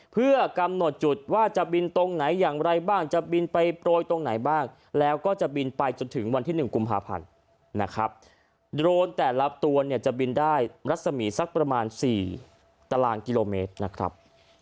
เพื่อกำหนดจุดว่าจะบินตรงไหนอย่างไรบ้างจะบินไปโปรยตรงไหนบ้างแล้วก็จะบินไปจนถึงวันที่๑กุมภาพันธ์นะครับโดรนแต่ละตัวเนี่ยจะบินได้รัศมีสักประมาณ๔ตารางกิโลเมตรนะครับ